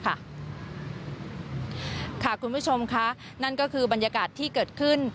คุณผู้ชมค่ะนั่นก็คือบรรยากาศที่เกิดขึ้น